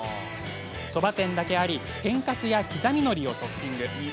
そば店だけあり、天かすや刻みのりをトッピング。